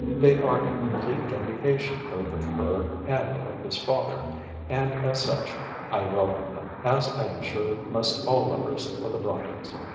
They are a complete vindication both of her and of his father, and, as such, I welcome them, as I am sure must all lovers of the Brontës."'